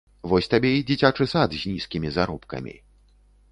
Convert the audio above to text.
Вось табе і дзіцячы сад з нізкімі заробкамі!